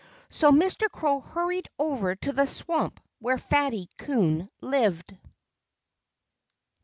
So Mr. Crow hurried over to the swamp where Fatty Coon lived.